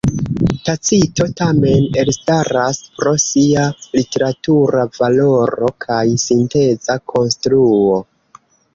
Tacito tamen elstaras pro sia literatura valoro kaj sinteza konstruo.